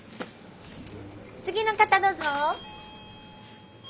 次の方どうぞ。